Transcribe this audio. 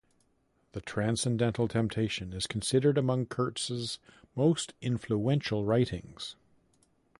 "The Transcendental Temptation" is considered among Kurtz's most influential writings.